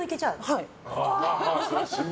はい。